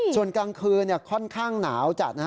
ส่วนกลางคืนค่อนข้างหนาวจัด